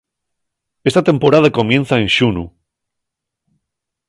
Esta temporada comienza en xunu.